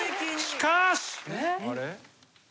しかし！